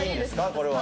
これは。